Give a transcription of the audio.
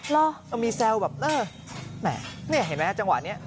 ล่ะมีแซวแบบเอ้อแหมะนี่เห็นไหมฮะจังหวะนี้